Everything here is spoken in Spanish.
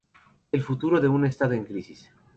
El futuro de un Estado en crisis.